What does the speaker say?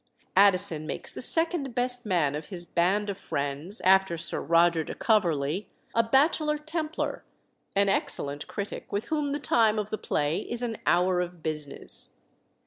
Addison makes the second best man of his band of friends (after Sir Roger de Coverley) a bachelor Templar; an excellent critic, with whom the time of the play is an hour of business.